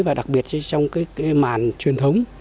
và đặc biệt trong cái màn truyền thống